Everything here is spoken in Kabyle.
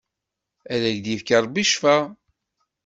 Ad ak-d-ifk Rebbi Ccfa!